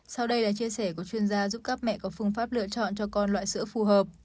sau đây là chia sẻ của chuyên gia giúp các mẹ có phương pháp lựa chọn cho con loại sữa phù hợp